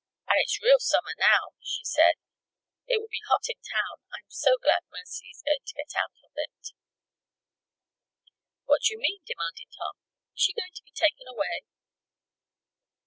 "And it's real summer, now," she said. "It will be hot in town. I'm so glad Mercy is going to get out of it." "What do you mean?" demanded Tom. "Is she going to be taken away?"